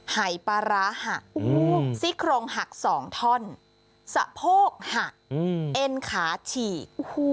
หายปาร้าหักอืมซี่โครงหักสองท่อนสะโพกหักอืมเอ็นขาฉีกอื้อหู